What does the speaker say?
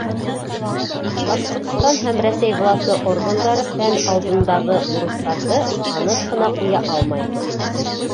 Башҡортостан һәм Рәсәй власы органдары фән алдындағы бурыстарҙы аныҡ ҡына ҡуя алмай.